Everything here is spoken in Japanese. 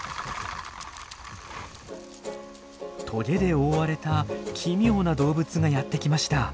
トゲで覆われた奇妙な動物がやってきました。